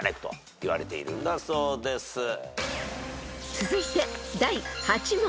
［続いて］